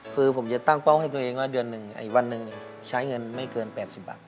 คือผมจะตั้งเป้าให้ตัวเองว่าเดือนหนึ่งอีกวันหนึ่งใช้เงินไม่เกิน๘๐บาท